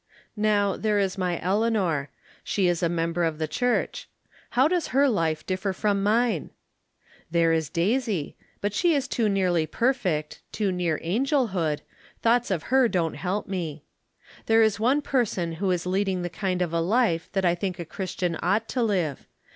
Now, there is my Eleanor. She is a member of the Church. How does her life differ from mine ? There is Daisy. But she is too nearly perfect — too near angelhood — thoughts of her 74 From Different Standpoints. don't help me. There is one person who is lead ing the kind of a life that I think a Christian ought to live.